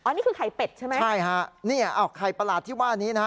อ๋อนี่คือไข่เป็ดใช่ไหมใช่ค่ะนี่ไข่ประหลาดที่ว่านี้นะ